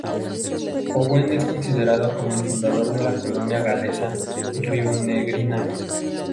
Owen es considerado como el fundador de la colonia galesa rionegrina.